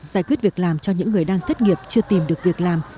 giải quyết việc làm cho những người đang thất nghiệp chưa tìm được việc làm